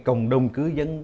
cộng đồng cư dân